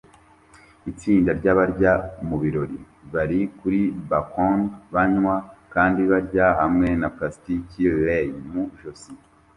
Itsinda ryabajya mu birori bari kuri bkoni banywa kandi barya hamwe na plastiki lei mu ijosi